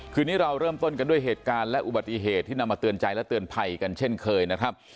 คืนนี้เราเริ่มต้นกันด้วยเหตุการณ์และอุบัติเหตุที่นำมาเตือนใจและเตือนภัยกันเช่นเคยนะครับ